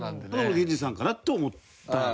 原人さんかなと思った。